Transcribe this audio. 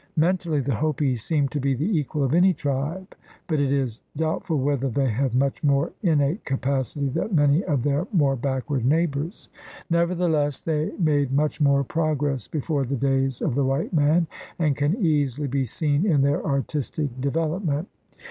Mentally the Hopi seem to be the equal of any tribe, but it is doubtful whether they have much more innate capacity than many of their more backward neighbors. Nevertheless they made much more progress before the days of the white man, as can easily be seen in their artistic development.